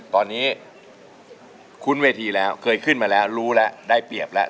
ตอนนี้คุ้นเวทีแล้วเคยขึ้นมาแล้วรู้แล้วได้เปรียบแล้ว